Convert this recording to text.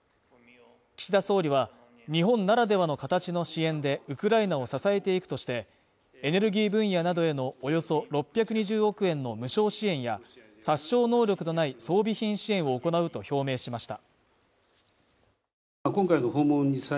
岸田総理は、日本ならではの形の支援でウクライナを支えていくとして、エネルギー分野などへのおよそ６２０億円の無償支援や、殺傷能力のない装備品支援を行うと表明しました。